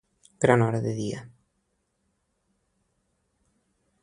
Gran hora de dia.